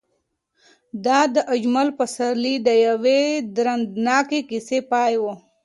دا د اجمل پسرلي د یوې دردناکې کیسې پای و.